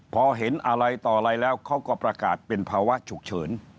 พอเห็นอะไรต่ออะไรแล้วเขาก็ประกาศเป็นภาวะฉุกเฉิน